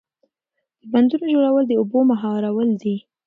د بندونو جوړول د اوبو مهارول دي.